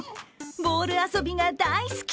ボール遊びが大好き！